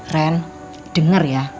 ren denger ya